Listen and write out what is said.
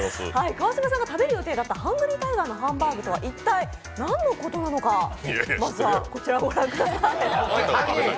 川島さんが食べる予定だったハングリータイガーのハンバーグとは一体何のことなのか、まずはこちらをご覧ください。